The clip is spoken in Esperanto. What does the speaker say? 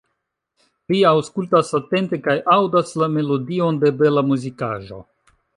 Li aŭskultas atente kaj aŭdas la melodion de bela muzikaĵo.